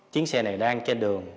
chiến xe này đang trên đường